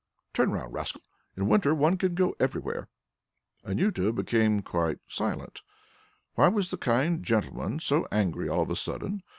Turn round, rascal! In winter one can go everywhere." Anjuta had become quite silent. Why was the kind gentleman so angry all of a sudden?